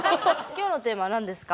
今日のテーマは何ですか？